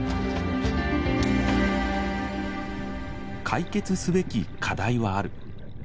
解決すべき課題はある。